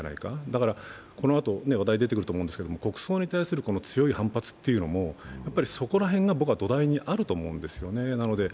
だから、このあと話題出てくると思うんですけど、国葬に対する強い反発というのもそこら辺が土台にあると思うんですよね。